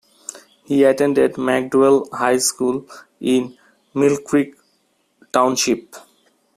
He attended McDowell High School in Millcreek Township.